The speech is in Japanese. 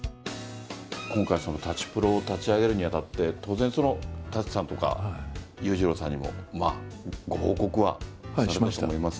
今回、舘プロを立ち上げるにあたって、当然、舘さんとか裕次郎さんにもご報告は？はい、しました。